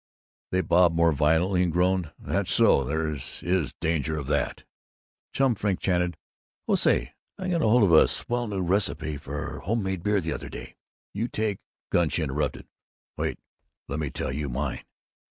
They bobbed more violently, and groaned, "That's so, there is a danger of that." Chum Frink chanted, "Oh, say, I got hold of a swell new receipt for home made beer the other day. You take " Gunch interrupted, "Wait! Let me tell you mine!"